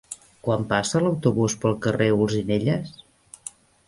Quan passa l'autobús pel carrer Olzinelles?